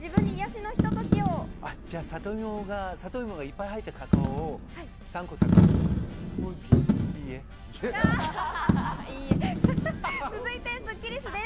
じゃあ、さといもがいっぱい入ったカカオを３個食べます。